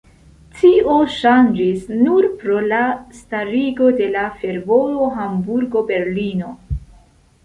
Tio ŝanĝis nur pro la starigo de la fervojo Hamburgo-Berlino.